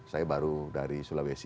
saya baru dari sulawesi